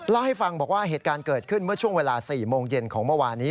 เล่าให้ฟังบอกว่าเหตุการณ์เกิดขึ้นเมื่อช่วงเวลา๔โมงเย็นของเมื่อวานนี้